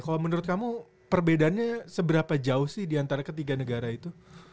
kalo menurut kamu perbedaannya seberapa jauh sih di antara ketiga negara itu